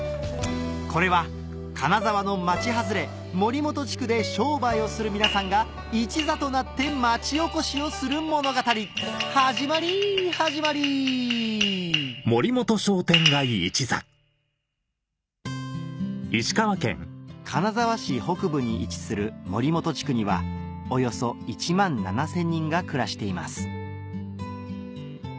これは金沢の町外れ森本地区で商売をする皆さんが一座となって町おこしをする物語始まり始まり金沢市北部に位置する森本地区にはおよそ１万７０００人が暮らしています